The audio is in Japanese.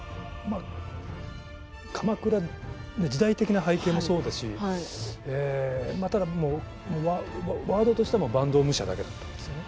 鎌倉の時代的な背景もそうですしワードとしても坂東武者だけだったんですよね。